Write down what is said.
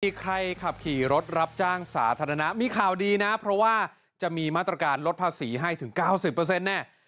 มีใครขับขี่รถรับจ้างสาธารณะมีข่าวดีนะเพราะว่าจะมีมาตรการลดภาษีให้ถึงเก้าสิบเปอร์เซ็นต์แน่